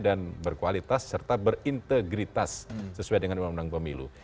dan berkualitas serta berintegritas sesuai dengan uu pemilu